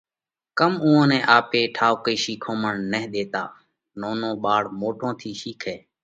ڪم اُوئون نئہ آپي ٺائُوڪئِي شِيکومڻ نه ۮيتا؟ نونو ٻاۯ موٽون ٿِي شِيکئه۔